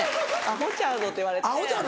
「アホちゃうの？」って言われて。